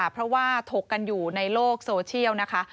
เพราะว่าถกกันอยู่ในโลกโซเชียลนะคะ